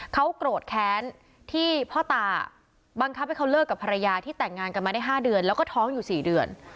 เขาโกรธแค้นที่พ่อตาบังคับให้เขาเลิกกับภรรยาที่แต่งงานกันมาได้๕เดือนแล้วก็ท้องอยู่๔เดือน